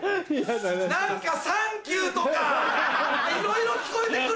何か「サンキュー」とかいろいろ聞こえて来るんだよ！